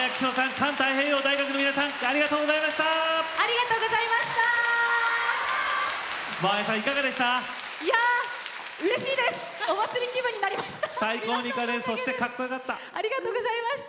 環太平洋大学の皆さんありがとうございました。